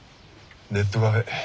ネットカフェ。